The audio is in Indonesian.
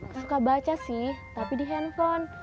suka baca sih tapi di handphone